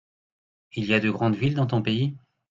Il y a de grandes villes dans ton pays ?